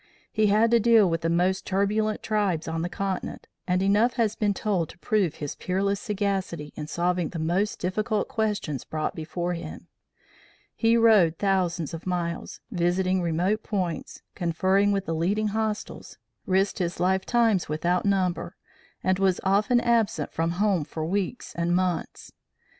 He had to deal with the most turbulent tribes on the continent, and enough has been told to prove his peerless sagacity in solving the most difficult questions brought before him. He rode thousands of miles, visiting remote points, conferred with the leading hostiles, risked his life times without number, and was often absent from home for weeks and months.